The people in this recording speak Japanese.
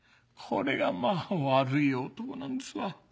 これがまぁ悪い男なんですわ。